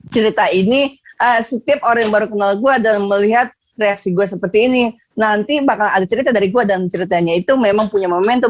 cerita ini setiap orang yang baru kenal gue dan melihat reaksi gue seperti ini nanti bakal ada cerita dari gue dan ceritanya itu memang punya momentum